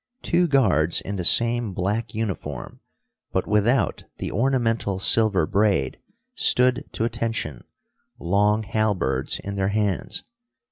Two guards in the same black uniform, but without the ornamental silver braid, stood to attention, long halberds in their hands.